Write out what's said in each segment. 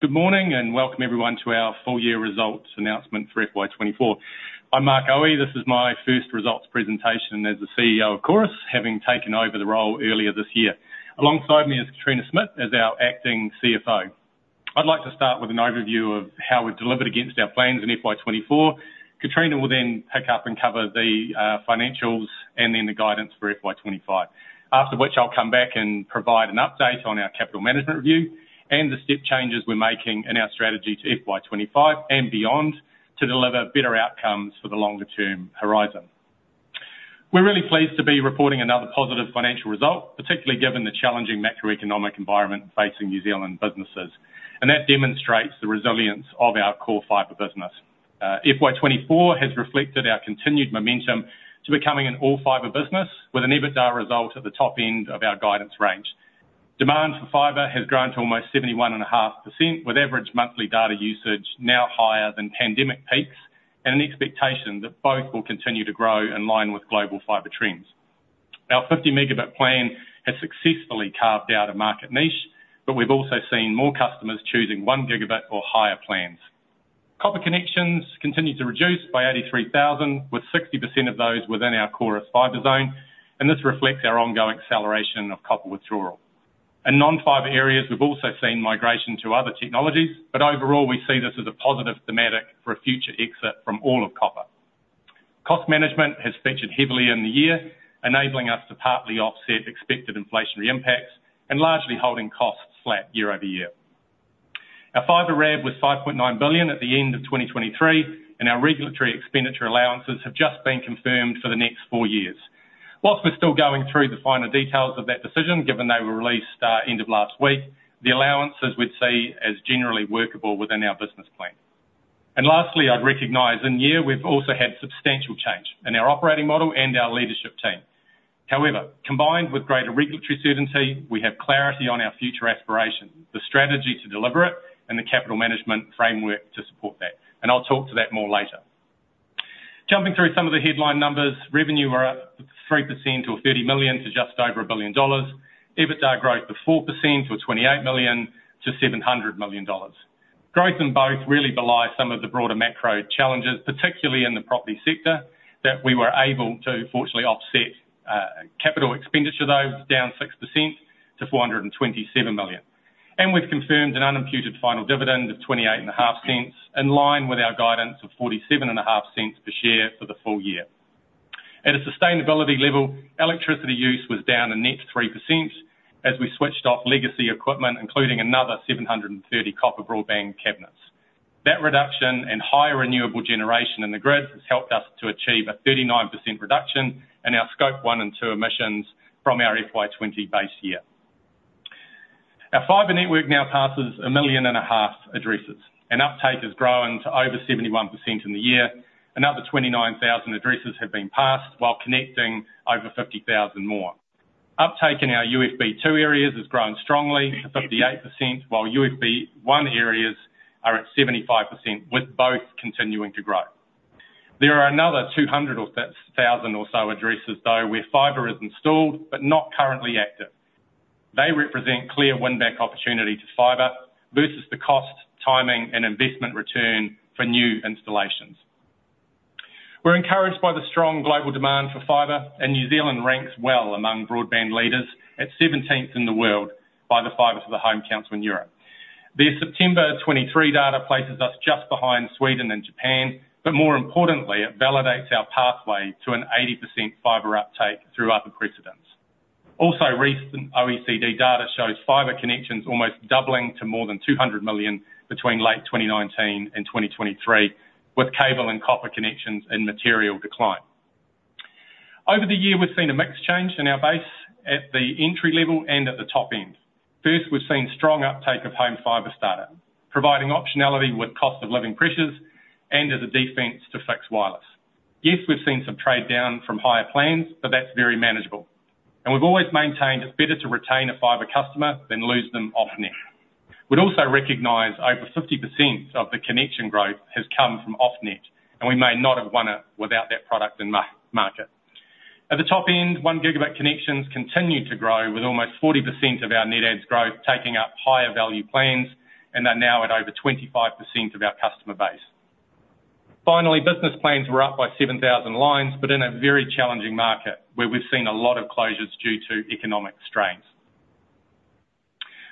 Good morning, and welcome everyone to our full year results announcement for FY 2024. I'm Mark Aue. This is my first results presentation as the CEO of Chorus, having taken over the role earlier this year. Alongside me is Katrina Smidt, as our acting CFO. I'd like to start with an overview of how we've delivered against our plans in FY 2024. Katrina will then pick up and cover the financials and then the guidance for FY 2025. After which, I'll come back and provide an update on our capital management review and the step changes we're making in our strategy to FY 2025 and beyond, to deliver better outcomes for the longer-term horizon. We're really pleased to be reporting another positive financial result, particularly given the challenging macroeconomic environment facing New Zealand businesses, and that demonstrates the resilience of our core fiber business. FY 2024 has reflected our continued momentum to becoming an all-fiber business with an EBITDA result at the top end of our guidance range. Demand for fiber has grown to almost 71.5%, with average monthly data usage now higher than pandemic peaks, and an expectation that both will continue to grow in line with global fiber trends. Our 50 Mb plan has successfully carved out a market niche, but we've also seen more customers choosing one gigabit or higher plans. Copper connections continued to reduce by 83,000, with 60% of those within our Chorus Fibre zone, and this reflects our ongoing acceleration of copper withdrawal. In non-fiber areas, we've also seen migration to other technologies, but overall, we see this as a positive thematic for a future exit from all of copper. Cost management has featured heavily in the year, enabling us to partly offset expected inflationary impacts and largely holding costs flat year over year. Our fiber RAB was 5.9 billion at the end of 2023, and our regulatory expenditure allowances have just been confirmed for the next four years. While we're still going through the finer details of that decision, given they were released end of last week, the allowance, as we'd see, is generally workable within our business plan. And lastly, I'd recognize, in year, we've also had substantial change in our operating model and our leadership team. However, combined with greater regulatory certainty, we have clarity on our future aspirations, the strategy to deliver it, and the capital management framework to support that, and I'll talk to that more later. Jumping through some of the headline numbers, revenue were up 3% to 1.03 billion dollars. EBITDA growth of 4% to 728 million dollars. Growth in both really belie some of the broader macro challenges, particularly in the property sector, that we were able to fortunately offset. Capital expenditure, though, was down 6% to 427 million. And we've confirmed an unimputed final dividend of 0.285, in line with our guidance of 0.475 per share for the full year. At a sustainability level, electricity use was down a net 3% as we switched off legacy equipment, including another 730 copper broadband cabinets. That reduction and higher renewable generation in the grid has helped us to achieve a 39% reduction in our Scope 1 and 2 emissions from our FY 2020 base year. Our fiber network now passes 1.5 million addresses, and uptake has grown to over 71% in the year. Another 29,000 addresses have been passed, while connecting over 50,000 more. Uptake in our UFB2 areas has grown strongly to 58%, while UFB1 areas are at 75%, with both continuing to grow. There are another 200,000 or so addresses, though, where fiber is installed but not currently active. They represent clear win-back opportunity to fiber versus the cost, timing, and investment return for new installations. We're encouraged by the strong global demand for fiber, and New Zealand ranks well among broadband leaders, at 17th in the world by the Fibre to the Home Council Europe. Their September 2023 data places us just behind Sweden and Japan, but more importantly, it validates our pathway to an 80% fiber uptake through other precedents. Also, recent OECD data shows fiber connections almost doubling to more than 200 million between late 2019 and 2023, with cable and copper connections in material decline. Over the year, we've seen a mixed change in our base at the entry level and at the top end. First, we've seen strong uptake of Home Fibre Starter, providing optionality with cost of living pressures and as a defense to fixed wireless. Yes, we've seen some trade-down from higher plans, but that's very manageable, and we've always maintained it's better to retain a fiber customer than lose them off-net. We'd also recognize over 50% of the connection growth has come from off-net, and we may not have won it without that product in market. At the top end, 1-gigabit connections continued to grow, with almost 40% of our net adds growth taking up higher value plans, and they're now at over 25% of our customer base. Finally, business plans were up by 7,000 lines, but in a very challenging market, where we've seen a lot of closures due to economic strains.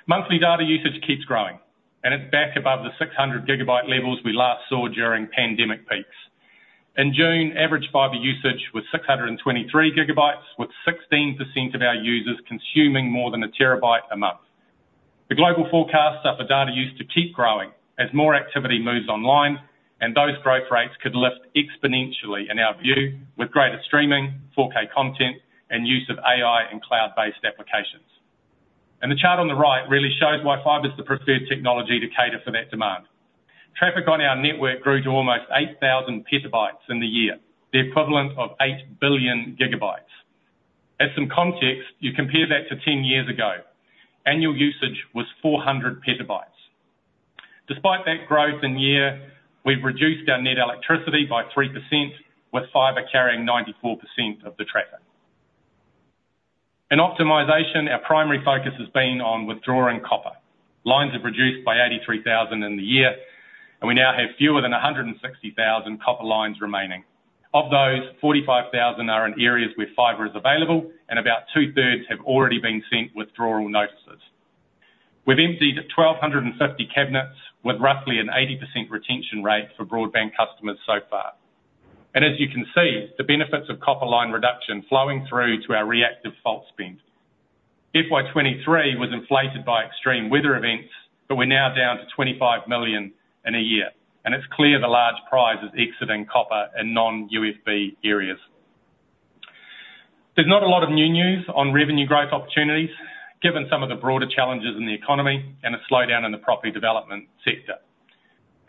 Monthly data usage keeps growing, and it's back above the 600-gigabyte levels we last saw during pandemic peaks. In June, average fiber usage was 623 GB, with 16% of our users consuming more than a terabyte a month. The global forecasts are for data use to keep growing as more activity moves online, and those growth rates could lift exponentially, in our view, with greater streaming, 4K content, and use of AI and cloud-based applications. And the chart on the right really shows why fiber is the preferred technology to cater for that demand. Traffic on our network grew to almost 8,000 PB in the year, the equivalent of 8 billion GB. As some context, you compare that to 10 years ago, annual usage was 400 PB. Despite that growth in year, we've reduced our net electricity by 3%, with fiber carrying 94% of the traffic.... In optimization, our primary focus has been on withdrawing copper. Lines have reduced by 83,000 in the year, and we now have fewer than 160,000 copper lines remaining. Of those, 45,000 are in areas where fiber is available, and about 2/3 have already been sent withdrawal notices. We've emptied 1,250 cabinets, with roughly an 80% retention rate for broadband customers so far. And as you can see, the benefits of copper line reduction flowing through to our reactive fault spend. FY 2023 was inflated by extreme weather events, but we're now down to 25 million in a year, and it's clear the large prize is exiting copper in non-UFB areas. There's not a lot of new news on revenue growth opportunities, given some of the broader challenges in the economy and a slowdown in the property development sector.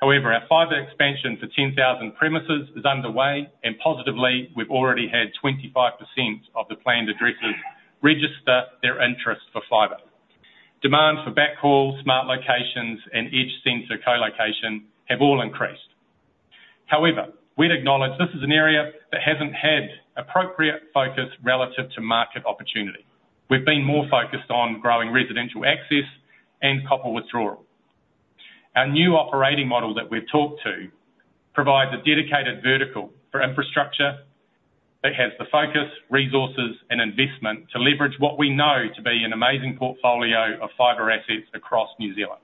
However, our fiber expansion for 10,000 premises is underway, and positively, we've already had 25% of the planned addresses register their interest for fiber. Demand for backhaul, smart locations, and edge sensor colocation have all increased. However, we'd acknowledge this is an area that hasn't had appropriate focus relative to market opportunity. We've been more focused on growing residential access and copper withdrawal. Our new operating model that we've talked to, provides a dedicated vertical for infrastructure that has the focus, resources, and investment to leverage what we know to be an amazing portfolio of fiber assets across New Zealand.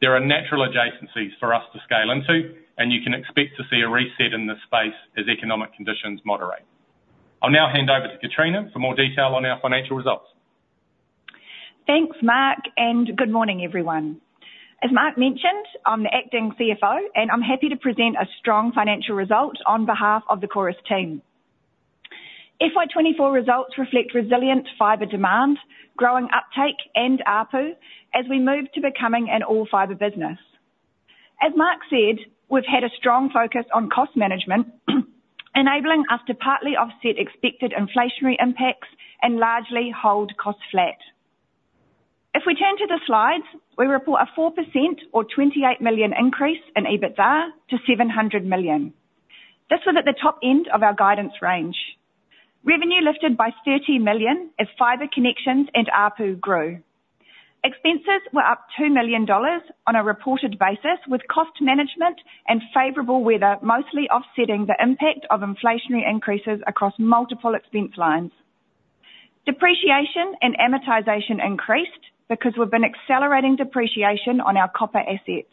There are natural adjacencies for us to scale into, and you can expect to see a reset in this space as economic conditions moderate. I'll now hand over to Katrina for more detail on our financial results. Thanks, Mark, and good morning, everyone. As Mark mentioned, I'm the acting CFO, and I'm happy to present a strong financial result on behalf of the Chorus team. FY 2024 results reflect resilient fiber demand, growing uptake, and ARPU, as we move to becoming an all-fiber business. As Mark said, we've had a strong focus on cost management, enabling us to partly offset expected inflationary impacts and largely hold costs flat. If we turn to the slides, we report a 4% or 28 million increase in EBITDA to 700 million. This was at the top end of our guidance range. Revenue lifted by 30 million as fiber connections and ARPU grew. Expenses were up 2 million dollars on a reported basis, with cost management and favorable weather mostly offsetting the impact of inflationary increases across multiple expense lines. Depreciation and amortization increased because we've been accelerating depreciation on our copper assets.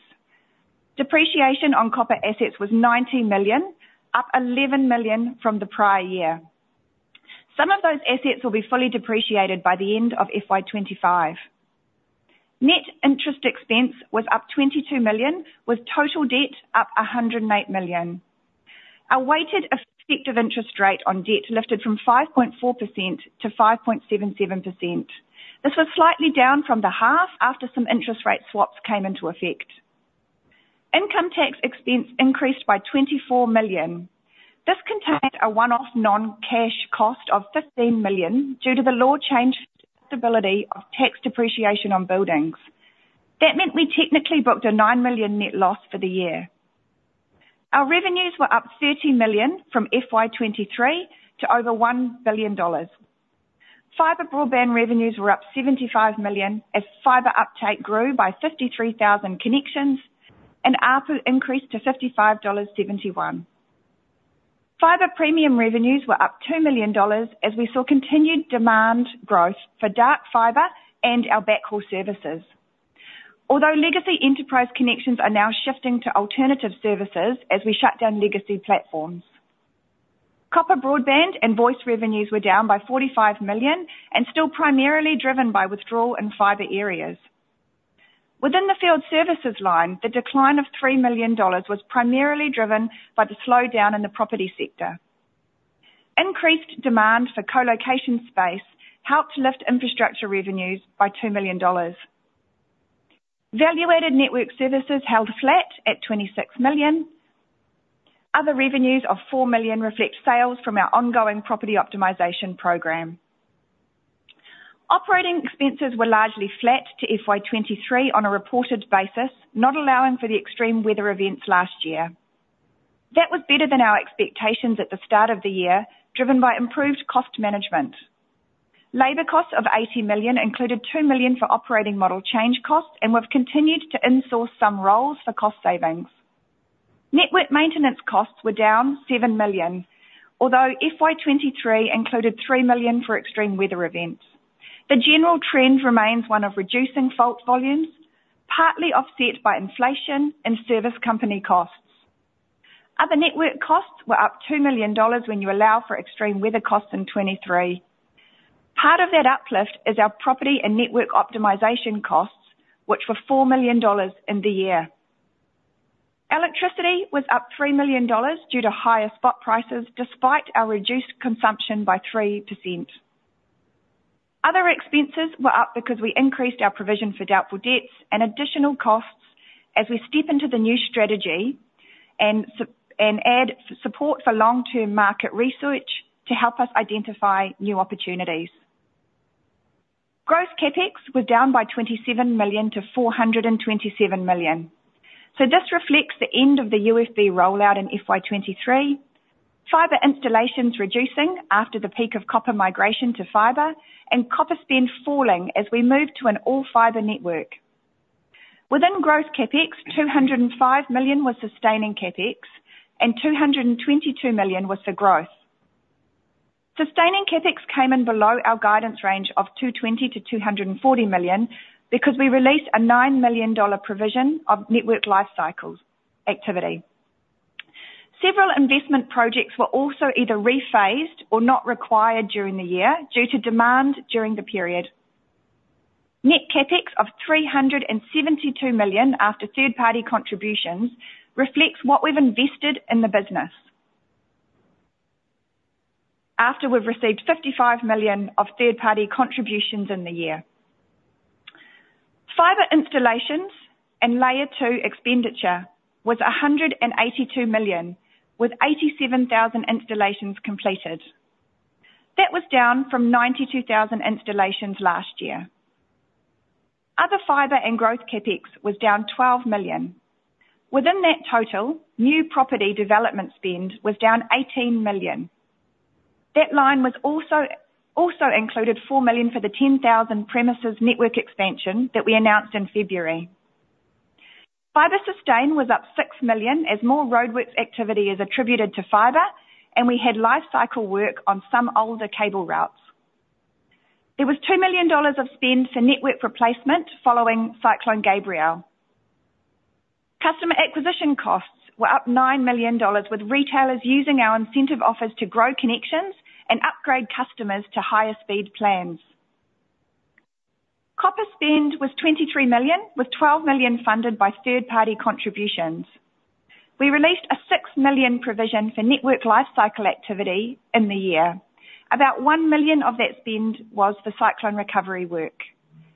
Depreciation on copper assets was 90 million, up 11 million from the prior year. Some of those assets will be fully depreciated by the end of FY 2025. Net interest expense was up 22 million, with total debt up 108 million. Our weighted effective interest rate on debt lifted from 5.4% to 5.77%. This was slightly down from the half, after some interest rate swaps came into effect. Income tax expense increased by 24 million. This contained a one-off non-cash cost of 15 million, due to the law change stability of tax depreciation on buildings. That meant we technically booked a 9 million net loss for the year. Our revenues were up 30 million from FY 2023 to over 1 billion dollars. Fiber broadband revenues were up 75 million, as fiber uptake grew by 53,000 connections, and ARPU increased to 55.71 dollars. Fiber premium revenues were up 2 million dollars as we saw continued demand growth for dark fiber and our backhaul services. Although legacy enterprise connections are now shifting to alternative services as we shut down legacy platforms. Copper broadband and voice revenues were down by 45 million and still primarily driven by withdrawal in fiber areas. Within the field services line, the decline of 3 million dollars was primarily driven by the slowdown in the property sector. Increased demand for colocation space helped lift infrastructure revenues by 2 million dollars. Value-added network services held flat at 26 million. Other revenues of 4 million reflect sales from our ongoing property optimization program. Operating expenses were largely flat to FY 2023 on a reported basis, not allowing for the extreme weather events last year. That was better than our expectations at the start of the year, driven by improved cost management. Labor costs of 80 million included 2 million for operating model change costs, and we've continued to insource some roles for cost savings. Network maintenance costs were down 7 million, although FY 2023 included 3 million for extreme weather events. The general trend remains one of reducing fault volumes, partly offset by inflation and service company costs. Other network costs were up 2 million dollars when you allow for extreme weather costs in 2023. Part of that uplift is our property and network optimization costs, which were 4 million dollars in the year. Electricity was up 3 million dollars due to higher spot prices, despite our reduced consumption by 3%. Other expenses were up because we increased our provision for doubtful debts and additional costs as we step into the new strategy and add support for long-term market research to help us identify new opportunities. Gross CapEx was down by 27 million to 427 million. So this reflects the end of the UFB rollout in FY 2023, fiber installations reducing after the peak of copper migration to fiber, and copper spend falling as we move to an all-fiber network. Within growth CapEx, 205 million was sustaining CapEx, and 222 million was the growth. Sustaining CapEx came in below our guidance range of 220-240 million, because we released a 9 million dollar provision of network life cycles activity. Several investment projects were also either rephased or not required during the year due to demand during the period. Net CapEx of 372 million after third-party contributions reflects what we've invested in the business. After we've received 55 million of third-party contributions in the year. Fiber installations and Layer 2 expenditure was 182 million, with 87,000 installations completed. That was down from 92,000 installations last year. Other fiber and growth CapEx was down 12 million. Within that total, new property development spend was down 18 million. That line was also included 4 million for the 10,000 premises network expansion that we announced in February. Fiber sustain was up 6 million as more roadworks activity is attributed to fiber, and we had life cycle work on some older cable routes. There was 2 million dollars of spend for network replacement following Cyclone Gabrielle. Customer acquisition costs were up 9 million dollars, with retailers using our incentive offers to grow connections and upgrade customers to higher speed plans. Copper spend was 23 million, with 12 million funded by third-party contributions. We released a 6 million provision for network life cycle activity in the year. About 1 million of that spend was for cyclone recovery work,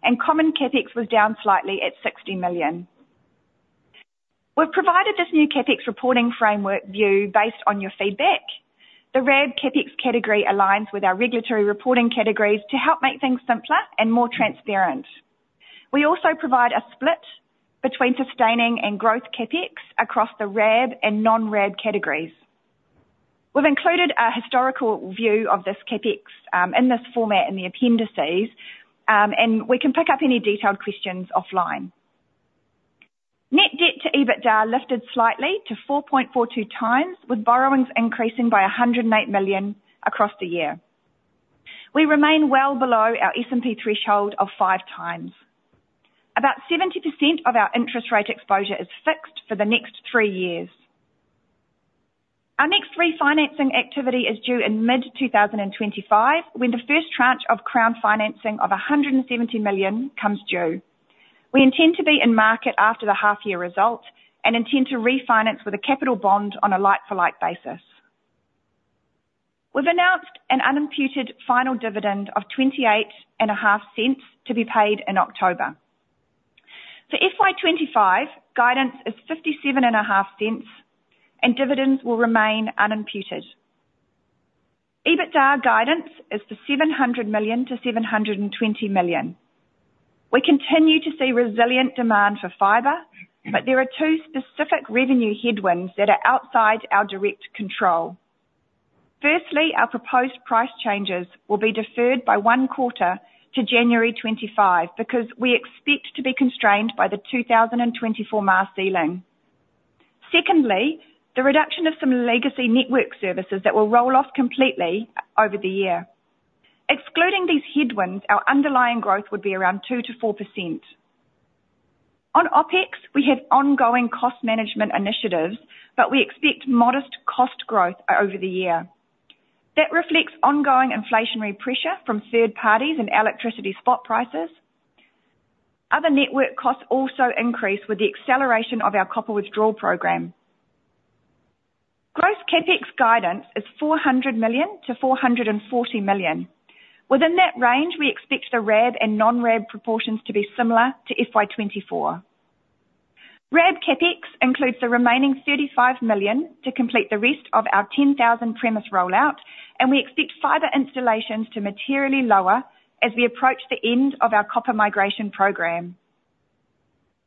and common CapEx was down slightly at 60 million. We've provided this new CapEx reporting framework view based on your feedback. The RAB CapEx category aligns with our regulatory reporting categories to help make things simpler and more transparent. We also provide a split between sustaining and growth CapEx across the RAB and non-RAB categories. We've included a historical view of this CapEx in this format in the appendices, and we can pick up any detailed questions offline. Net debt to EBITDA lifted slightly to 4.42x, with borrowings increasing by 108 million across the year. We remain well below our S&P threshold of 5x. About 70% of our interest rate exposure is fixed for the next three years. Our next refinancing activity is due in mid-2025, when the first tranche of Crown financing of 170 million comes due. We intend to be in market after the half-year results, and intend to refinance with a capital bond on a like-for-like basis. We've announced an unimputed final dividend of 0.285 to be paid in October. For FY 2025, guidance is 0.575, and dividends will remain unimputed. EBITDA guidance is for 700 million-720 million. We continue to see resilient demand for fiber, but there are two specific revenue headwinds that are outside our direct control. Firstly, our proposed price changes will be deferred by one quarter to January 2025, because we expect to be constrained by the 2024 MAR ceiling. Secondly, the reduction of some legacy network services that will roll off completely over the year. Excluding these headwinds, our underlying growth would be around 2%-4%. On OpEx, we have ongoing cost management initiatives, but we expect modest cost growth over the year. That reflects ongoing inflationary pressure from third parties and electricity spot prices. Other network costs also increase with the acceleration of our copper withdrawal program. Gross CapEx guidance is 400 million-440 million. Within that range, we expect the RAB and non-RAB proportions to be similar to FY 2024. RAB CapEx includes the remaining 35 million to complete the rest of our 10,000 premises rollout, and we expect fiber installations to materially lower as we approach the end of our copper migration program.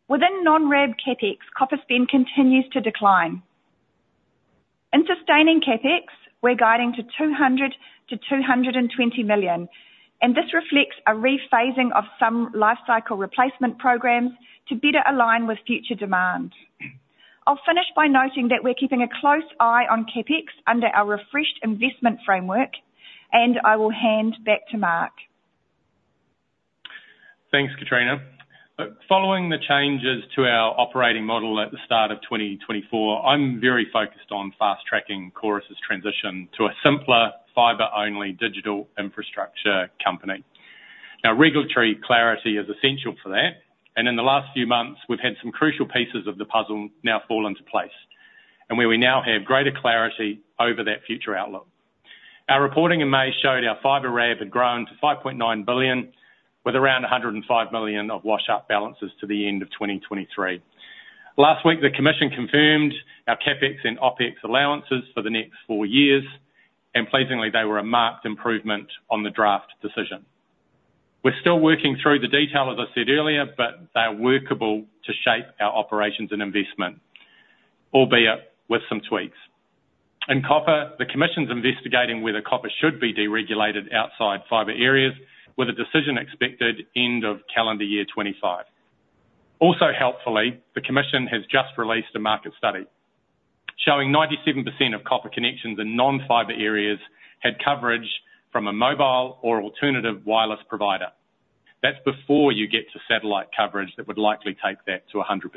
Within non-RAB CapEx, copper spend continues to decline. In sustaining CapEx, we're guiding to 200 million-220 million, and this reflects a rephasing of some life cycle replacement programs to better align with future demand. I'll finish by noting that we're keeping a close eye on CapEx under our refreshed investment framework, and I will hand back to Mark. Thanks, Katrina. Following the changes to our operating model at the start of 2024, I'm very focused on fast tracking Chorus's transition to a simpler, fiber-only digital infrastructure company. Now, regulatory clarity is essential for that, and in the last few months, we've had some crucial pieces of the puzzle now fall into place, and where we now have greater clarity over that future outlook. Our reporting in May showed our fiber RAB had grown to 5.9 billion, with around 105 million of wash up balances to the end of 2023. Last week, the Commission confirmed our CapEx and OpEx allowances for the next four years, and pleasingly, they were a marked improvement on the draft decision. We're still working through the detail, as I said earlier, but they are workable to shape our operations and investment, albeit with some tweaks. In copper, the Commission's investigating whether copper should be deregulated outside fiber areas, with a decision expected end of calendar year 2025. Also helpfully, the Commission has just released a market study showing 97% of copper connections in non-fiber areas had coverage from a mobile or alternative wireless provider. That's before you get to satellite coverage that would likely take that to 100%.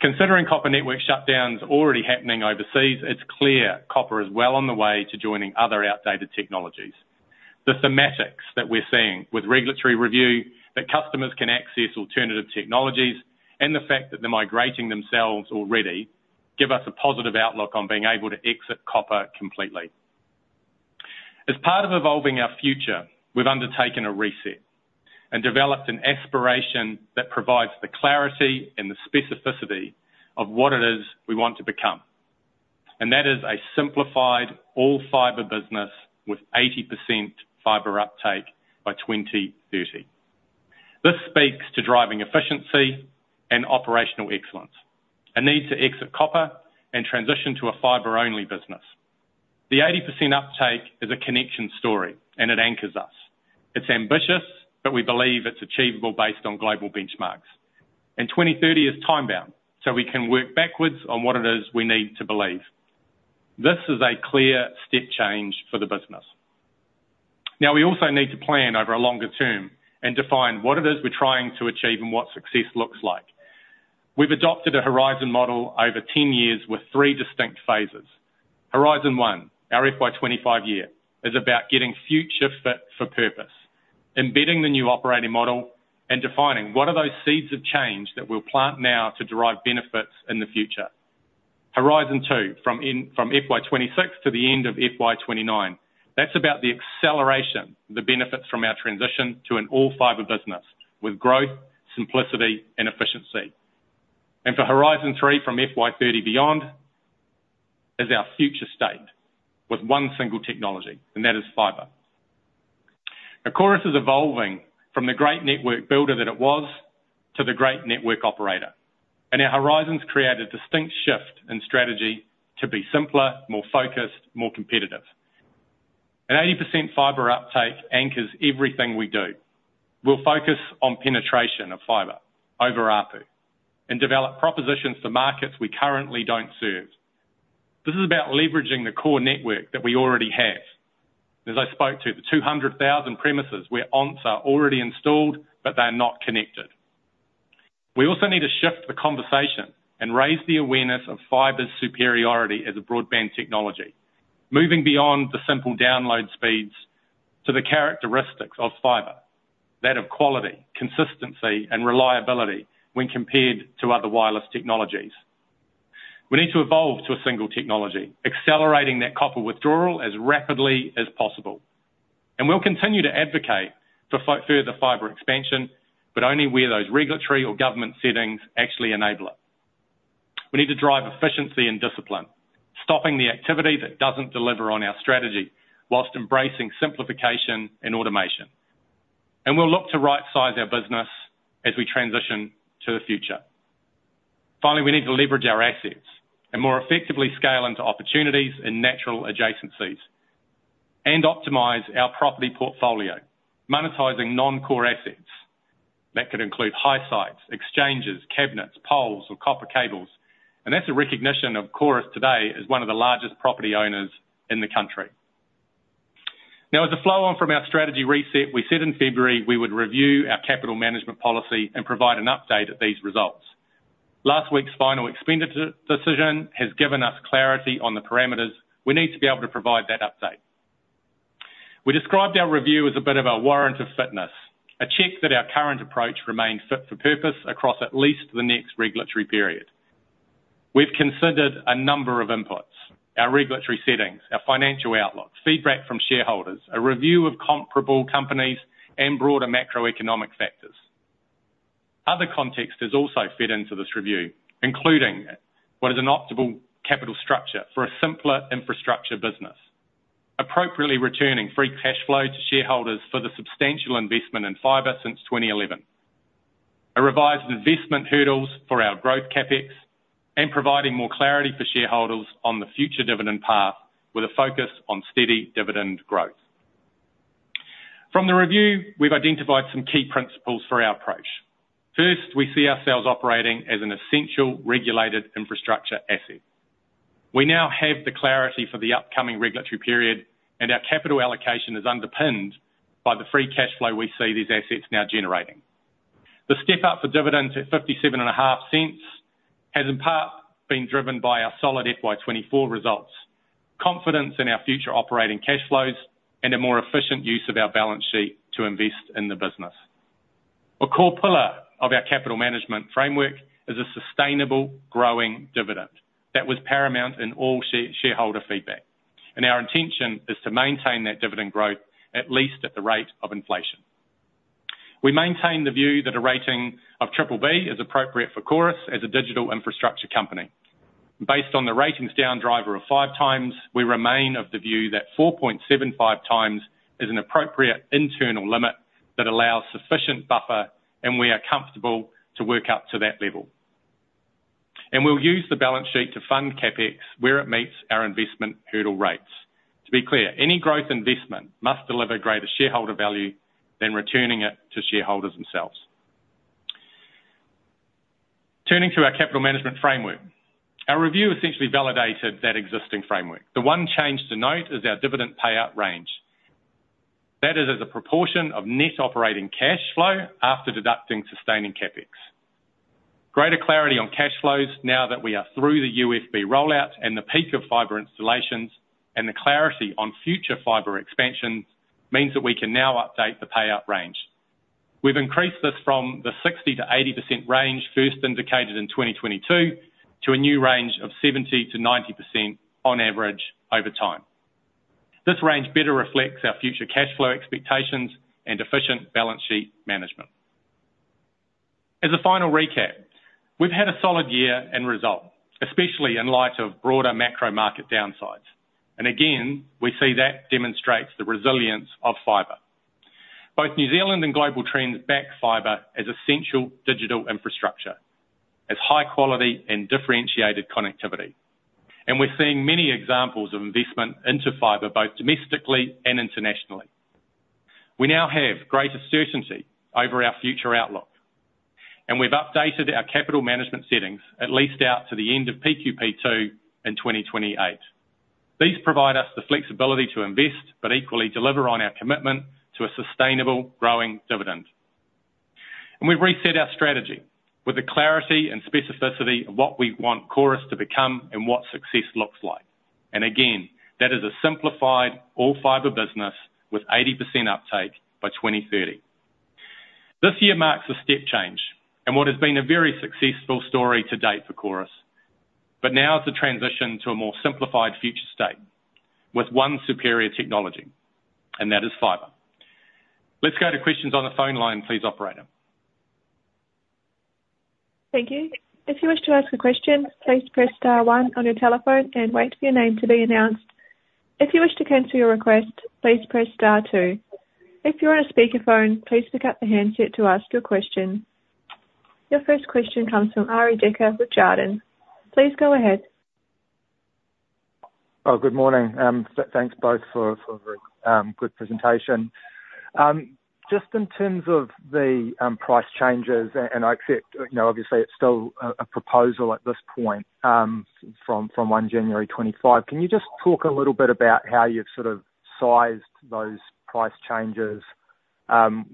Considering copper network shutdowns already happening overseas, it's clear copper is well on the way to joining other outdated technologies. The thematics that we're seeing with regulatory review, that customers can access alternative technologies, and the fact that they're migrating themselves already, give us a positive outlook on being able to exit copper completely. As part of evolving our future, we've undertaken a reset and developed an aspiration that provides the clarity and the specificity of what it is we want to become, and that is a simplified all-fiber business with 80% fiber uptake by 2030. This speaks to driving efficiency and operational excellence, a need to exit copper and transition to a fiber-only business. The 80 uptake is a connection story, and it anchors us. It's ambitious, but we believe it's achievable based on global benchmarks, and 2030 is time-bound, so we can work backwards on what it is we need to believe. This is a clear step change for the business. Now, we also need to plan over a longer term and define what it is we're trying to achieve and what success looks like. We've adopted a horizon model over 10 years with three distinct phases. Horizon 1, our FY 2025 year, is about getting future fit for purpose, embedding the new operating model, and defining what are those seeds of change that we'll plant now to derive benefits in the future. Horizon 2, from FY 2026 to the end of FY 2029. That's about the acceleration, the benefits from our transition to an all-fiber business with growth, simplicity, and efficiency. For Horizon 3, from FY 2030 beyond, is our future state with one single technology, and that is fiber. Now, Chorus is evolving from the great network builder that it was to the great network operator, and our horizons create a distinct shift in strategy to be simpler, more focused, more competitive. An 80% fiber uptake anchors everything we do. We'll focus on penetration of fiber over ARPU and develop propositions to markets we currently don't serve. This is about leveraging the core network that we already have. As I spoke to, the 200,000 premises where ONTs are already installed, but they're not connected. We also need to shift the conversation and raise the awareness of fiber's superiority as a broadband technology. Moving beyond the simple download speeds to the characteristics of fiber, that of quality, consistency, and reliability when compared to other wireless technologies. We need to evolve to a single technology, accelerating that copper withdrawal as rapidly as possible. We will continue to advocate for further fiber expansion, but only where those regulatory or government settings actually enable it. We need to drive efficiency and discipline, stopping the activity that doesn't deliver on our strategy, while embracing simplification and automation. We will look to right size our business as we transition to the future. Finally, we need to leverage our assets and more effectively scale into opportunities and natural adjacencies and optimize our property portfolio, monetizing non-core assets. That could include high sites, exchanges, cabinets, poles, or copper cables, and that's a recognition of Chorus today as one of the largest property owners in the country. Now, as a follow-on from our strategy reset, we said in February we would review our capital management policy and provide an update of these results. Last week's final expenditure decision has given us clarity on the parameters. We need to be able to provide that update. We described our review as a bit of a warrant of fitness, a check that our current approach remains fit for purpose across at least the next regulatory period. We've considered a number of inputs: our regulatory settings, our financial outlook, feedback from shareholders, a review of comparable companies, and broader macroeconomic factors. Other context has also fed into this review, including what is an optimal capital structure for a simpler infrastructure business. Appropriately returning free cash flow to shareholders for the substantial investment in fiber since 2011. A revised investment hurdles for our growth CapEx, and providing more clarity for shareholders on the future dividend path, with a focus on steady dividend growth. From the review, we've identified some key principles for our approach. First, we see ourselves operating as an essential regulated infrastructure asset. We now have the clarity for the upcoming regulatory period, and our capital allocation is underpinned by the free cash flow we see these assets now generating. The step-up for dividends at 0.575 has, in part, been driven by our solid FY 2024 results, confidence in our future operating cash flows, and a more efficient use of our balance sheet to invest in the business. A core pillar of our capital management framework is a sustainable, growing dividend that was paramount in all shareholder feedback, and our intention is to maintain that dividend growth, at least at the rate of inflation. We maintain the view that a rating of BBB is appropriate for Chorus as a digital infrastructure company. Based on the rating's downside driver of 5x, we remain of the view that 4.75x is an appropriate internal limit that allows sufficient buffer, and we are comfortable to work up to that level. We'll use the balance sheet to fund CapEx where it meets our investment hurdle rates. To be clear, any growth investment must deliver greater shareholder value than returning it to shareholders themselves. Turning to our capital management framework, our review essentially validated that existing framework. The one change to note is our dividend payout range. That is as a proportion of net operating cash flow after deducting sustaining CapEx. Greater clarity on cash flows now that we are through the UFB rollout and the peak of fiber installations, and the clarity on future fiber expansions, means that we can now update the payout range. We've increased this from the 60%-80% range, first indicated in 2022, to a new range of 70%-90% on average over time. This range better reflects our future cash flow expectations and efficient balance sheet management. As a final recap, we've had a solid year and result, especially in light of broader macro market downsides, and again, we see that demonstrates the resilience of fiber. Both New Zealand and global trends back fiber as essential digital infrastructure, as high quality and differentiated connectivity, and we're seeing many examples of investment into fiber, both domestically and internationally. We now have greater certainty over our future outlook, and we've updated our capital management settings at least out to the end of PQP2 in 2028. These provide us the flexibility to invest, but equally deliver on our commitment to a sustainable growing dividend, and again, that is a simplified all fiber business with 80% uptake by 2030. This year marks a step change in what has been a very successful story to date for Chorus, but now it's a transition to a more simplified future state with one superior technology, and that is fiber. Let's go to questions on the phone line, please, operator. Thank you. If you wish to ask a question, please press star one on your telephone and wait for your name to be announced. If you wish to cancel your request, please press star two. If you're on a speakerphone, please pick up the handset to ask your question. Your first question comes from Arie Dekker with Jarden. Please go ahead. Oh, good morning. Thanks both for a very good presentation. Just in terms of the price changes, and I accept, you know, obviously it's still a proposal at this point, from January 1st, 2025. Can you just talk a little bit about how you've sort of sized those price changes,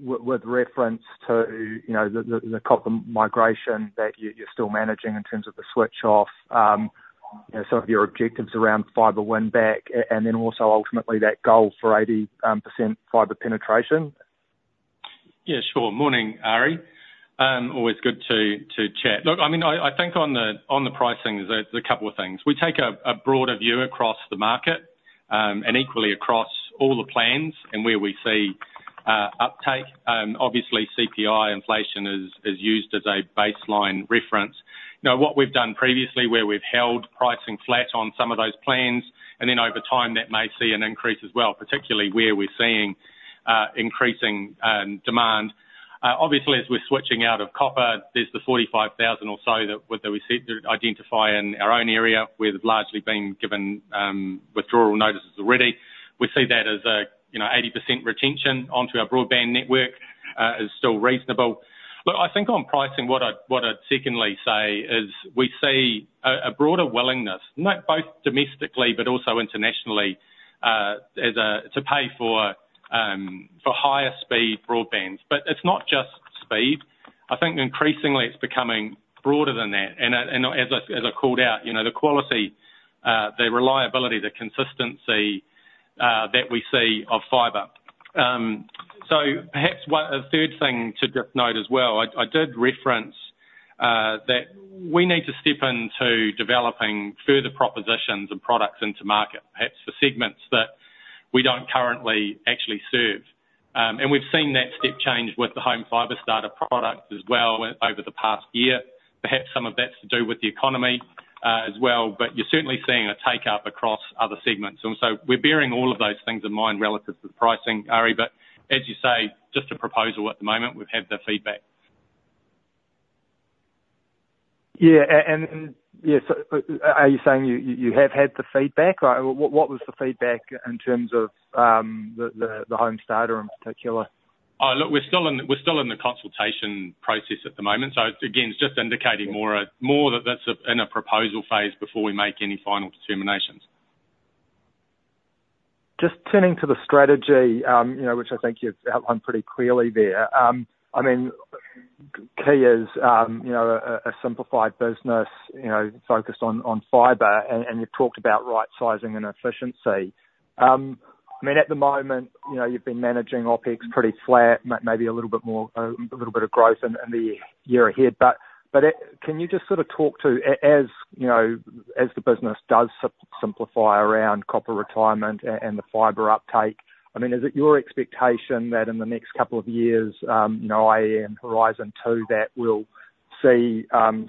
with reference to, you know, the copper migration that you're still managing in terms of the switch off, you know, some of your objectives around fiber win back, and then also ultimately that goal for 80% fiber penetration? Yeah, sure. Morning, Arie, always good to chat. Look, I mean, I think on the pricing, there's a couple of things. We take a broader view across the market, and equally across all the plans and where we see uptake. Obviously CPI inflation is used as a baseline reference. You know, what we've done previously where we've held pricing flat on some of those plans, and then over time, that may see an increase as well, particularly where we're seeing increasing demand. Obviously, as we're switching out of copper, there's the 45,000 or so that we identify in our own area, where they've largely been given withdrawal notices already. We see that as, you know, 80% retention onto our broadband network is still reasonable. Look, I think on pricing, what I'd secondly say is, we see a broader willingness, not both domestically but also internationally, to pay for higher speed broadbands. But it's not just speed. I think increasingly it's becoming broader than that, and as I called out, you know, the quality, the reliability, the consistency that we see of fiber. So perhaps a third thing to just note as well, I did reference that we need to step into developing further propositions and products into market, perhaps for segments that we don't currently actually serve. And we've seen that step change with the Home Fibre Starter product as well over the past year. Perhaps some of that's to do with the economy, as well, but you're certainly seeing a take up across other segments. And so we're bearing all of those things in mind relative to the pricing, Arie, but as you say, just a proposal at the moment, we've had the feedback. Yeah, and yeah, so are you saying you have had the feedback, or what was the feedback in terms of the home starter in particular? Oh, look, we're still in the consultation process at the moment. So again, it's just indicating more that that's in a proposal phase before we make any final determinations. Just turning to the strategy, you know, which I think you've outlined pretty clearly there. I mean, key is, you know, a simplified business, you know, focused on fiber, and you've talked about right sizing and efficiency. I mean, at the moment, you know, you've been managing OpEx pretty flat, maybe a little bit more, a little bit of growth in the year ahead, but it can you just sort of talk to as, you know, as the business does simplify around copper retirement and the fiber uptake, I mean, is it your expectation that in the next couple of years, you know, and Horizon 2, that we'll see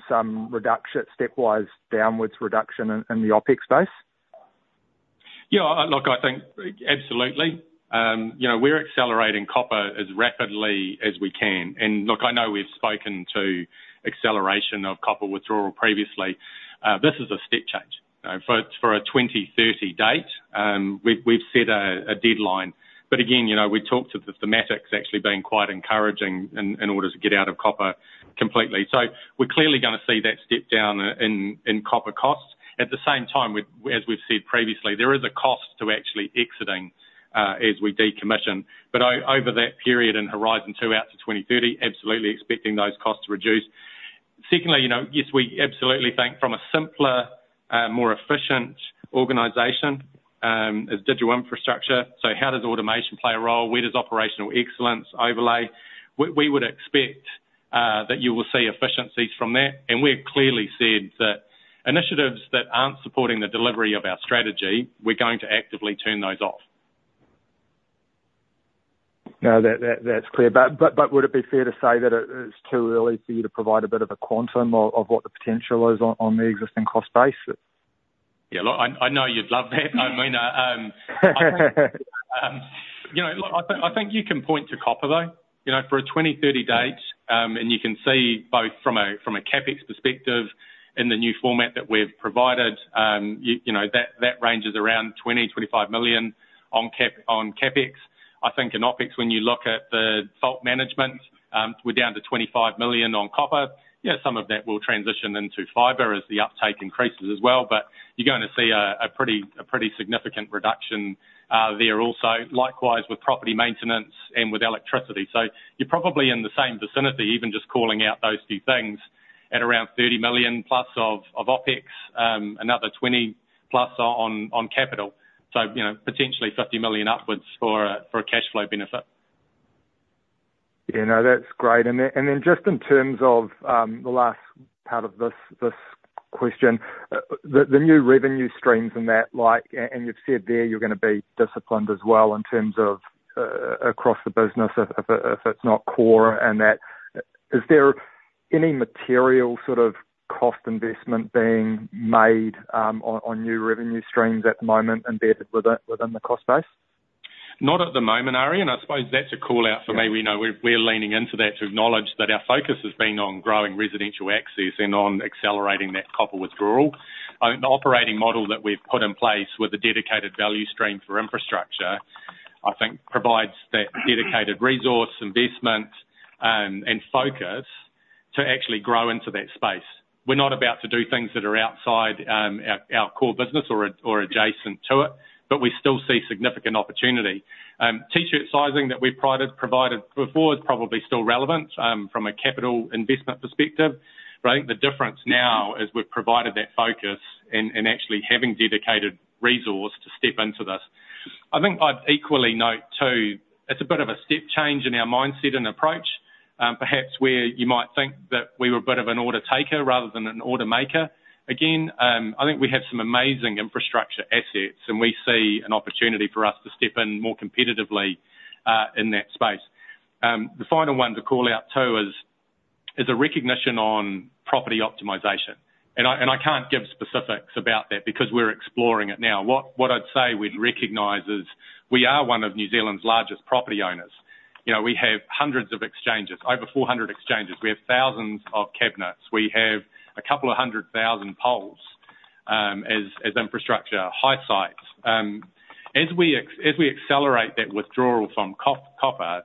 some reduction, stepwise downwards reduction in the OpEx space? Yeah, look, I think absolutely. You know, we're accelerating copper as rapidly as we can, and look, I know we've spoken to acceleration of copper withdrawal previously. This is a step change for a 2030 date. We've set a deadline, but again, you know, we talked to the thematics actually being quite encouraging in order to get out of copper completely. So we're clearly gonna see that step down in copper costs. At the same time, as we've said previously, there is a cost to actually exiting as we decommission, but over that period in Horizon 2, out to 2030, absolutely expecting those costs to reduce. Secondly, you know, yes, we absolutely think from a simpler, more efficient organization, as digital infrastructure, so how does automation play a role? Where does operational excellence overlay? We would expect that you will see efficiencies from that, and we've clearly said that initiatives that aren't supporting the delivery of our strategy, we're going to actively turn those off. No, that's clear, but would it be fair to say that it's too early for you to provide a bit of a quantum of what the potential is on the existing cost base? Yeah, look, I know you'd love that. I mean, you know, look, I think you can point to copper, though, you know, for a 2030 date, and you can see both from a CapEx perspective in the new format that we've provided, you know, that range is around 20 million-25 million on CapEx. I think in OpEx, when you look at the fault management, we're down to 25 million on copper. Yeah, some of that will transition into fiber as the uptake increases as well, but you're going to see a pretty significant reduction there also, likewise with property maintenance and with electricity. You're probably in the same vicinity, even just calling out those few things, at around 30 million plus of OpEx, another 20 million plus on capital, so you know, potentially 50 million upwards for a cash flow benefit. Yeah, no, that's great. And then just in terms of the last part of this question, the new revenue streams and that, like, and you've said there, you're gonna be disciplined as well in terms of across the business if it's not core and that, is there any material sort of cost investment being made on new revenue streams at the moment, embedded within the cost base? Not at the moment, Arie, I suppose that's a call-out for me. We know we're leaning into that to acknowledge that our focus has been on growing residential access and on accelerating that copper withdrawal. The operating model that we've put in place with a dedicated value stream for infrastructure, I think provides that dedicated resource, investment, and focus to actually grow into that space. We're not about to do things that are outside our core business or adjacent to it, but we still see significant opportunity. T-shirt sizing that we provided before is probably still relevant from a capital investment perspective, but I think the difference now is we've provided that focus and actually having dedicated resource to step into this. I think I'd equally note, too, it's a bit of a step change in our mindset and approach, perhaps where you might think that we were a bit of an order taker rather than an order maker. Again, I think we have some amazing infrastructure assets, and we see an opportunity for us to step in more competitively, in that space. The final one to call out, too, is a recognition on property optimization, and I can't give specifics about that because we're exploring it now. What I'd say we'd recognize is, we are one of New Zealand's largest property owners. You know, we have hundreds of exchanges, over four hundred exchanges. We have thousands of cabinets. We have a couple of hundred thousand poles, as infrastructure, high sites. As we accelerate that withdrawal from copper,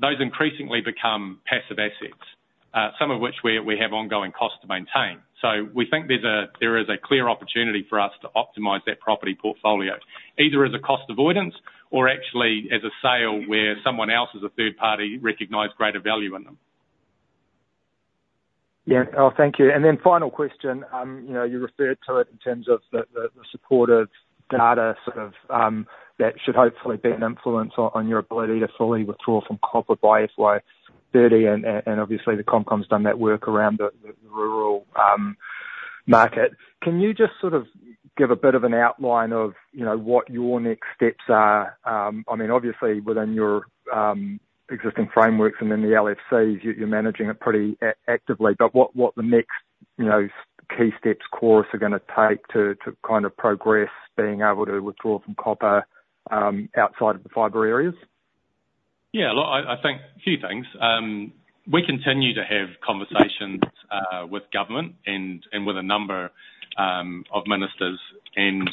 those increasingly become passive assets, some of which we have ongoing costs to maintain. We think there is a clear opportunity for us to optimize that property portfolio, either as a cost avoidance or actually as a sale, where someone else as a third party recognize greater value in them. Yeah. Oh, thank you. And then final question, you know, you referred to it in terms of the support of data, sort of, that should hopefully be an influence on your ability to fully withdraw from copper by FY 2030, and obviously the ComCom's done that work around the rural market. Can you just sort of give a bit of an outline of, you know, what your next steps are? I mean, obviously within your existing frameworks and then the LFCs, you're managing it pretty actively, but what the next, you know, key steps Chorus are gonna take to kind of progress, being able to withdraw from copper outside of the fiber areas? Yeah, look, I think a few things. We continue to have conversations with government and with a number of ministers, and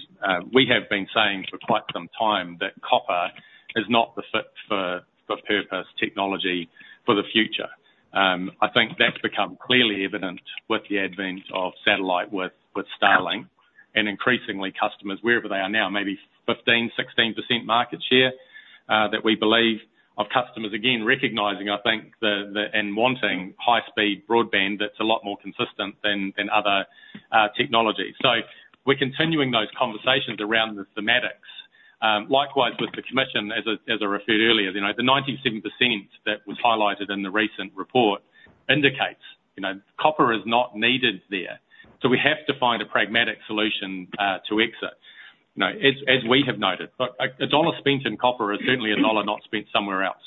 we have been saying for quite some time that copper is not the fit for purpose technology for the future. I think that's become clearly evident with the advent of satellite with Starlink, and increasingly customers, wherever they are now, maybe 15%-16% market share that we believe of customers, again, recognizing, I think and wanting high-speed broadband that's a lot more consistent than other technologies. So we're continuing those conversations around the thematics. Likewise with the commission, as I referred earlier, you know, the 97% that was highlighted in the recent report indicates, you know, copper is not needed there. So we have to find a pragmatic solution to exit. No, as we have noted, look, a dollar spent in copper is certainly a dollar not spent somewhere else.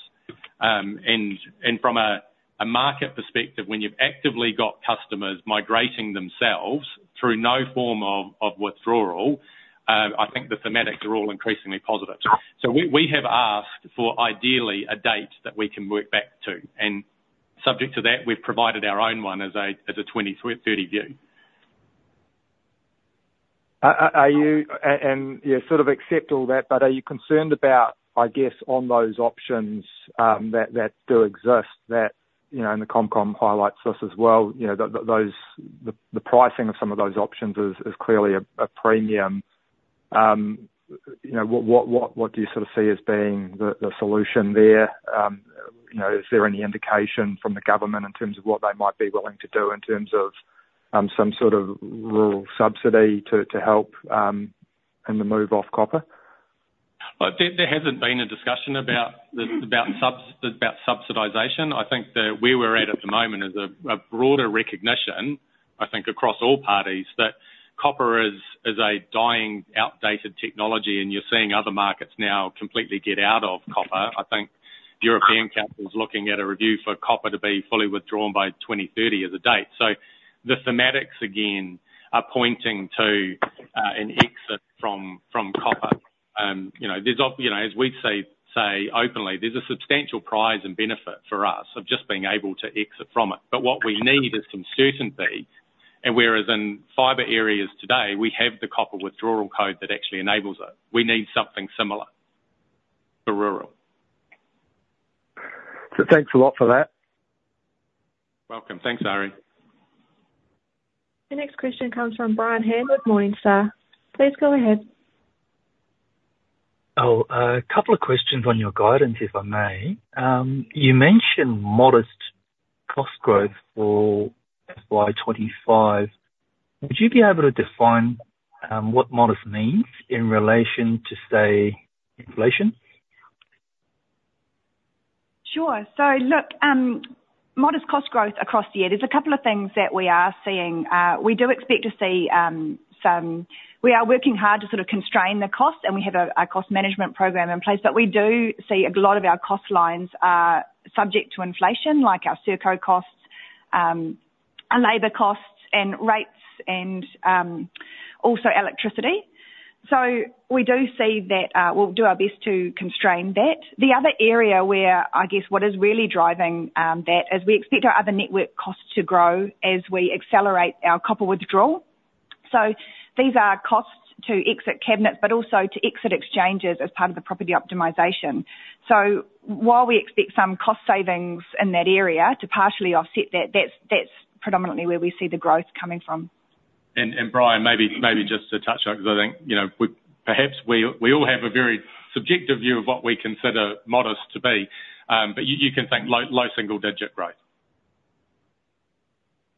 And from a market perspective, when you've actively got customers migrating themselves through no form of withdrawal, I think the thematics are all increasingly positive. So we have asked for ideally a date that we can work back to, and subject to that, we've provided our own one as a 2023, 2030 view. Yeah, sort of accept all that, but are you concerned about, I guess, on those options that do exist, you know, and the ComCom highlights this as well, you know, the pricing of some of those options is clearly a premium. You know, what do you sort of see as being the solution there? You know, is there any indication from the government in terms of what they might be willing to do in terms of some sort of rural subsidy to help in the move off copper? There hasn't been a discussion about subsidization. I think that where we're at the moment is a broader recognition, I think across all parties, that copper is a dying, outdated technology, and you're seeing other markets now completely get out of copper. I think European Council is looking at a review for copper to be fully withdrawn by 2030 as a date. So the thematics, again, are pointing to an exit from copper. You know, as we say openly, there's a substantial prize and benefit for us of just being able to exit from it. But what we need is some certainty, and whereas in fiber areas today, we have the copper withdrawal code that actually enables it. We need something similar for rural. So thanks a lot for that. Welcome. Thanks, Arie. The next question comes from Brian Han with Morningstar. Please go ahead. Oh, a couple of questions on your guidance, if I may. You mentioned modest cost growth for FY 2025. Would you be able to define what modest means in relation to, say, inflation? Sure. So look, modest cost growth across the year. There's a couple of things that we are seeing. We do expect to see we are working hard to sort of constrain the cost, and we have a cost management program in place. But we do see a lot of our cost lines are subject to inflation, like our ServCo costs, our labor costs, and rates, and also electricity. So we do see that we'll do our best to constrain that. The other area where I guess what is really driving that is we expect our other network costs to grow as we accelerate our copper withdrawal. So these are costs to exit cabinets, but also to exit exchanges as part of the property optimization. So, while we expect some cost savings in that area to partially offset that, that's, that's predominantly where we see the growth coming from. Brian, maybe just to touch on, because I think, you know, perhaps we all have a very subjective view of what we consider modest to be, but you can think low single digit growth.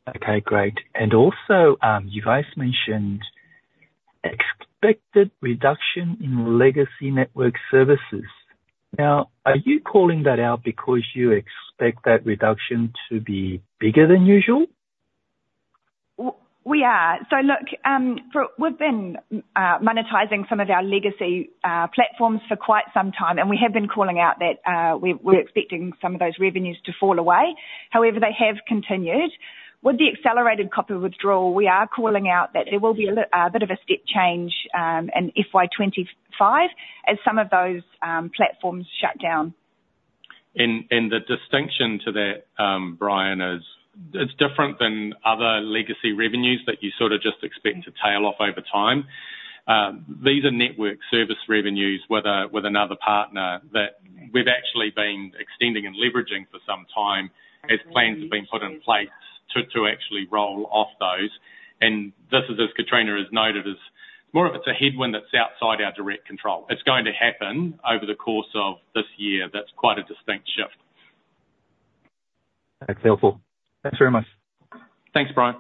Okay, great. And also, you guys mentioned expected reduction in legacy network services. Now, are you calling that out because you expect that reduction to be bigger than usual? We are. So look, we've been monetizing some of our legacy platforms for quite some time, and we have been calling out that we're expecting some of those revenues to fall away. However, they have continued. With the accelerated copper withdrawal, we are calling out that there will be a bit of a step change in FY 2025, as some of those platforms shut down. The distinction to that, Brian, is it's different than other legacy revenues that you sort of just expect to tail off over time. These are network service revenues with another partner that we've actually been extending and leveraging for some time, as plans have been put in place to actually roll off those. This is, as Katrina has noted, more of a headwind that's outside our direct control. It's going to happen over the course of this year. That's quite a distinct shift. That's helpful. Thanks very much. Thanks, Brian.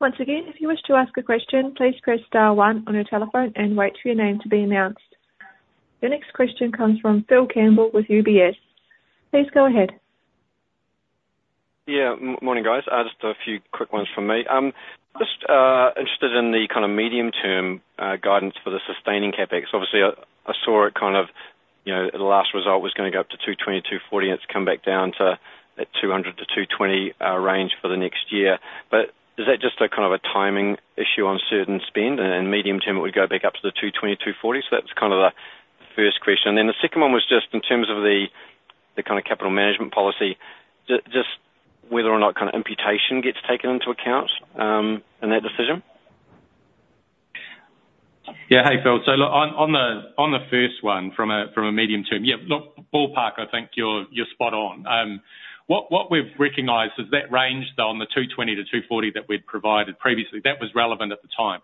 Once again, if you wish to ask a question, please press star one on your telephone and wait for your name to be announced. The next question comes from Phil Campbell with UBS. Please go ahead. Yeah. Morning, guys. Just a few quick ones from me. Just interested in the kind of medium term guidance for the sustaining CapEx. Obviously I saw it kind of, you know, the last result was gonna go up to 220 million-240 million, and it's come back down to a 200 million-220 million range for the next year. But is that just a kind of a timing issue on certain spend, and then medium term it would go back up to the 220 million-240 million? So that's kind of the first question. Then the second one was just in terms of the kind of capital management policy, just whether or not kind of imputation gets taken into account in that decision? Yeah. Hey, Phil. So look, on the first one, from a medium term, yeah, look, ballpark, I think you're spot on. What we've recognized is that range though, on the 220 million-240 million that we'd provided previously, that was relevant at the time.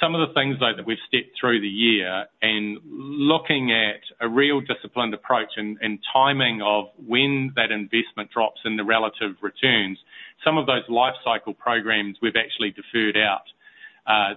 Some of the things though, that we've stepped through the year, and looking at a real disciplined approach and timing of when that investment drops and the relative returns, some of those life cycle programs we've actually deferred out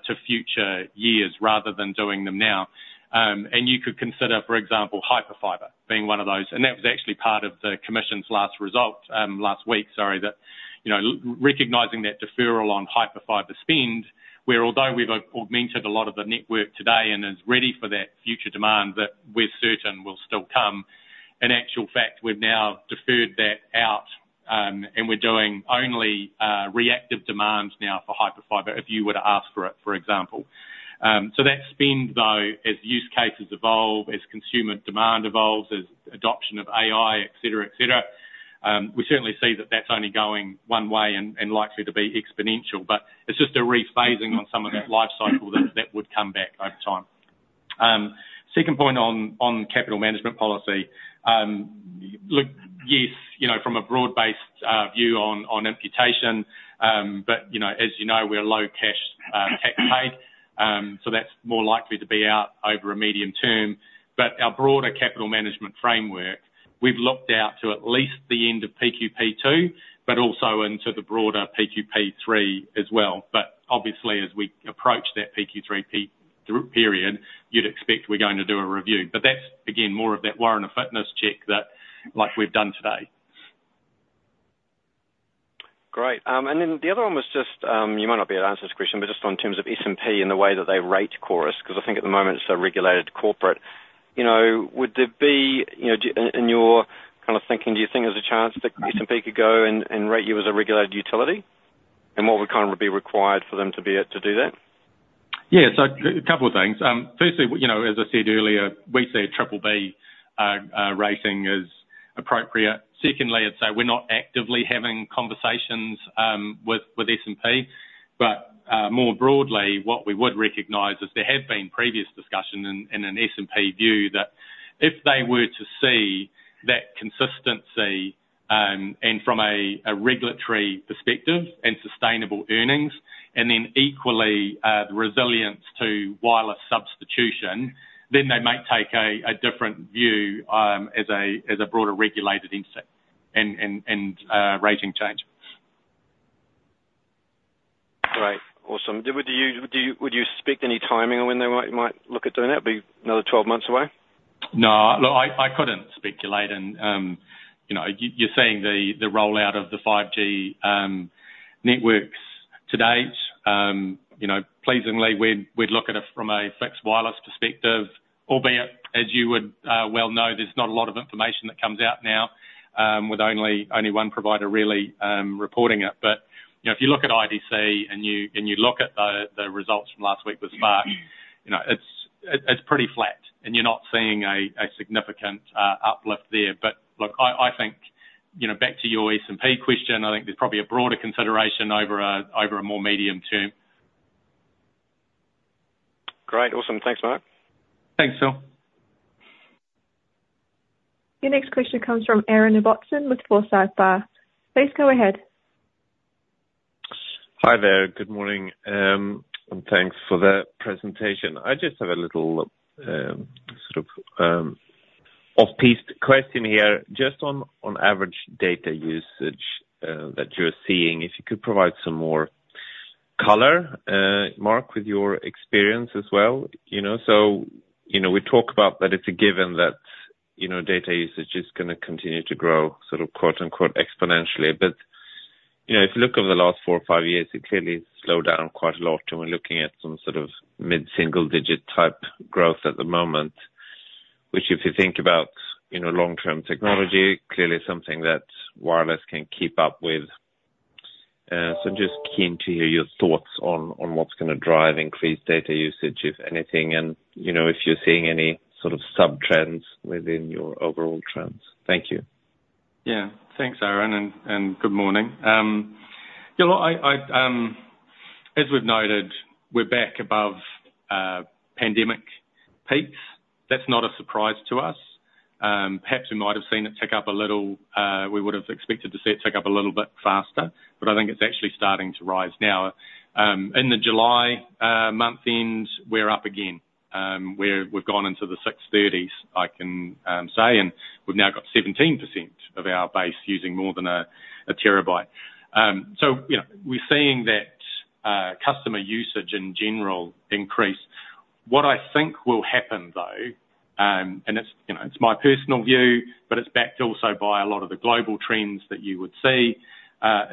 to future years rather than doing them now. And you could consider, for example, Hyperfibre being one of those, and that was actually part of the Commission's last result last week, sorry, that-... You know, recognizing that deferral on Hyperfibre spend, where although we've augmented a lot of the network today and is ready for that future demand, that we're certain will still come, in actual fact, we've now deferred that out, and we're doing only reactive demand now for Hyperfibre, if you were to ask for it, for example, so that spend, though, as use cases evolve, as consumer demand evolves, as adoption of AI, et cetera, et cetera, we certainly see that that's only going one way and likely to be exponential, but it's just a rephasing on some of that life cycle that would come back over time. Second point on capital management policy. Look, yes, you know, from a broad-based view on imputation, but, you know, as you know, we're a low cash tax paid, so that's more likely to be out over a medium term. But our broader capital management framework, we've looked out to at least the end of PQP2, but also into the broader PQP3 as well. But obviously, as we approach that PQP3 period, you'd expect we're going to do a review. But that's, again, more of that warrant fitness check that, like we've done today. Great. Then the other one was just, you might not be able to answer this question, but just on terms of S&P and the way that they rate Chorus, 'cause I think at the moment it's a regulated corporate. You know, would there be, you know, in your kind of thinking, do you think there's a chance that S&P could go and rate you as a regulated utility? And what would kind of be required for them to be able to do that? Yeah, so couple of things. Firstly, you know, as I said earlier, we see a BBB rating as appropriate. Secondly, I'd say we're not actively having conversations with S&P. But more broadly, what we would recognize is there have been previous discussions in an S&P view, that if they were to see that consistency and from a regulatory perspective and sustainable earnings, and then equally the resilience to wireless substitution, then they might take a different view as a broader regulated entity and rating change. Great. Awesome. Would you expect any timing on when they might look at doing that, or be another twelve months away? No, look, I couldn't speculate and you know, you're seeing the rollout of the 5G networks to date. You know, pleasingly, we'd look at it from a fixed wireless perspective, albeit as you would well know, there's not a lot of information that comes out now with only one provider really reporting it. You know, if you look at IDC and you look at the results from last week with Spark, it's pretty flat, and you're not seeing a significant uplift there. Look, I think you know, back to your S&P question, I think there's probably a broader consideration over a more medium term. Great. Awesome. Thanks, Mark. Thanks, Phil. Your next question comes from Aaron Ibbotson with Forsyth Barr. Please go ahead. Hi there. Good morning, and thanks for the presentation. I just have a little, sort of, off-piste question here. Just on average data usage that you're seeing, if you could provide some more color, Mark, with your experience as well, you know? So, you know, we talk about that it's a given that, you know, data usage is gonna continue to grow, sort of, quote, unquote, "exponentially." But, you know, if you look over the last four or five years, it clearly has slowed down quite a lot, and we're looking at some sort of mid-single digit type growth at the moment, which, if you think about, you know, long-term technology, clearly something that wireless can keep up with. So, I'm just keen to hear your thoughts on what's gonna drive increased data usage, if anything, and, you know, if you're seeing any sort of sub-trends within your overall trends. Thank you. Yeah. Thanks, Aaron, and good morning. You know, as we've noted, we're back above pandemic peaks. That's not a surprise to us. Perhaps we might have seen it tick up a little. We would have expected to see it tick up a little bit faster, but I think it's actually starting to rise now. In the July month end, we're up again. We've gone into the 630s, I can say, and we've now got 17% of our base using more than a terabyte. So you know, we're seeing that customer usage in general increase. What I think will happen, though, and it's, you know, it's my personal view, but it's backed also by a lot of the global trends that you would see,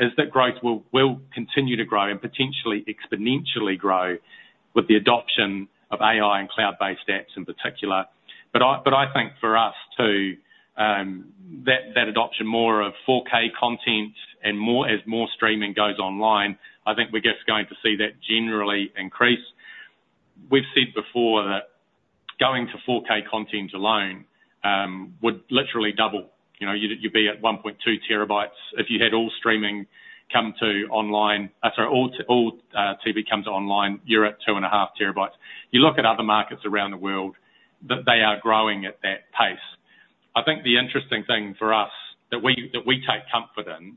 is that growth will continue to grow and potentially exponentially grow with the adoption of AI and cloud-based apps in particular. But I think for us, too, that adoption more of 4K content and more as more streaming goes online, I think we're just going to see that generally increase. We've said before that going to 4K content alone would literally double. You know, you'd be at 1.2 TB if you had all streaming come online. I'm sorry, all TV comes online, you're at 2.5 TB. You look at other markets around the world, they are growing at that pace. I think the interesting thing for us, that we take comfort in,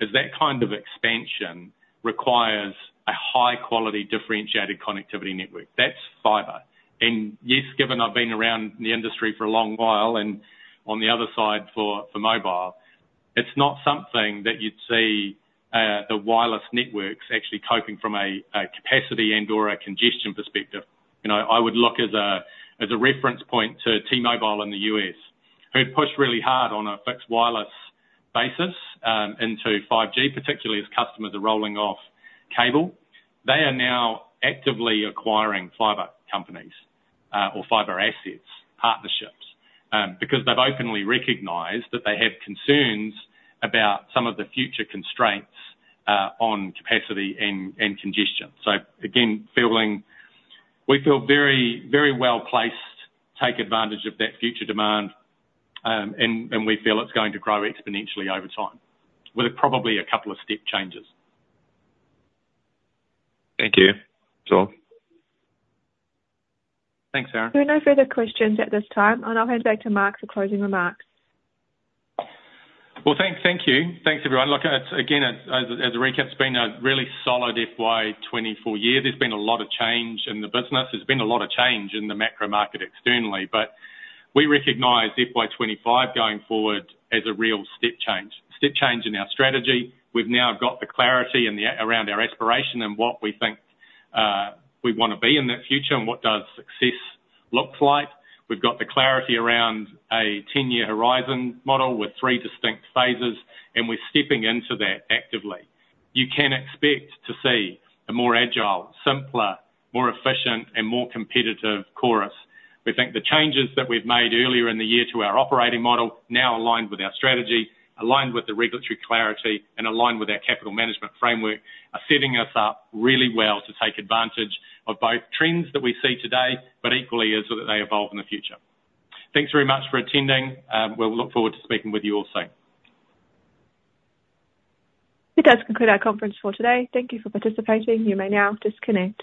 is that kind of expansion requires a high-quality, differentiated connectivity network. That's fiber. And yes, given I've been around the industry for a long while, and on the other side, for mobile, it's not something that you'd see the wireless networks actually coping from a capacity and/or a congestion perspective. So I would look as a reference point to T-Mobile in the U.S., who had pushed really hard on a fixed wireless basis into 5G, particularly as customers are rolling off cable. They are now actively acquiring fiber companies or fiber assets, partnerships, because they've openly recognized that they have concerns about some of the future constraints on capacity and congestion. So again, we feel very, very well placed to take advantage of that future demand, and we feel it's going to grow exponentially over time, with probably a couple of step changes. Thank you. Sure. Thanks, Aaron. There are no further questions at this time, and I'll hand back to Mark for closing remarks. Thank you. Thanks, everyone. Look, it's, again, as a recap, it's been a really solid FY 2024 year. There's been a lot of change in the business. There's been a lot of change in the macro market externally, but we recognize FY 2025 going forward as a real step change in our strategy. We've now got the clarity around our aspiration and what we think we wanna be in that future, and what does success look like. We've got the clarity around a ten-year horizon model with three distinct phases, and we're stepping into that actively. You can expect to see a more agile, simpler, more efficient, and more competitive Chorus. We think the changes that we've made earlier in the year to our operating model, now aligned with our strategy, aligned with the regulatory clarity, and aligned with our capital management framework, are setting us up really well to take advantage of both trends that we see today, but equally as they evolve in the future. Thanks very much for attending. We'll look forward to speaking with you all soon. That does conclude our conference for today. Thank you for participating. You may now disconnect.